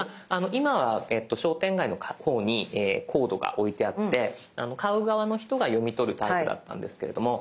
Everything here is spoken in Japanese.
今は商店街の方にコードが置いてあって買う側の人が読み取るタイプだったんですけれども。